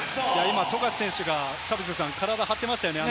富樫選手が体張っていましたね。